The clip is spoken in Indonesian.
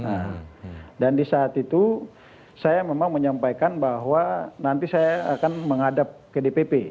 nah dan di saat itu saya memang menyampaikan bahwa nanti saya akan menghadap ke dpp